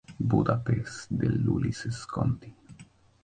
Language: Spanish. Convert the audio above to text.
Budapest de Ulises Conti.